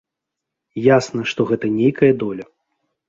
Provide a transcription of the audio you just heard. Ясна, што гэта нейкая доля.